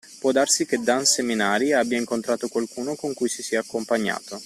Può darsi che Dan Seminari abbia incontrato qualcuno con cui si sia accompagnato.